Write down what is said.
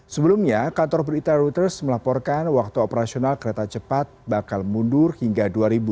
sebelumnya kantor berita reuters melaporkan waktu operasional kereta cepat bakal mundur hingga dua ribu dua puluh tiga